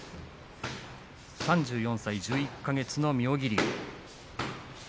３４歳１１か月の妙義龍。